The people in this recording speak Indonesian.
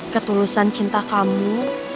ketulusan cinta kamu